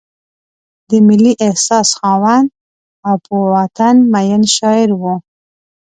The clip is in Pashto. د ملي احساس خاوند او په وطن مین شاعر و.